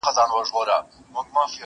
په یوه شېبه پر ملا باندي ماتېږې،